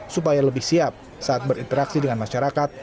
supaya lebih siap saat berinteraksi dengan masyarakat